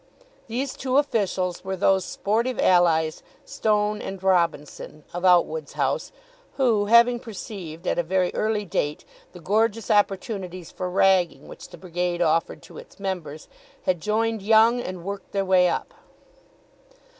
These two officials were those sportive allies, Stone and Robinson, of Outwood's house, who, having perceived at a very early date the gorgeous opportunities for ragging which the Brigade offered to its members, had joined young and worked their way up.